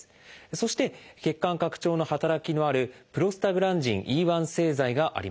そして血管拡張の働きのあるプロスタグランジンＥ製剤があります。